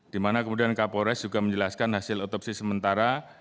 di mana kemudian kapolres juga menjelaskan hasil otopsi sementara